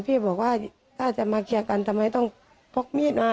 พี่บอกว่าถ้าจะมาเคลียร์กันทำไมต้องพกมีดมา